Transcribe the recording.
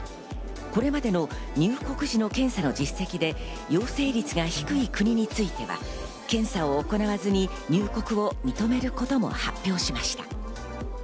これまでの入国時の検査の実績で陽性率が低い国については、検査を行わずに入国を認めることも発表しました。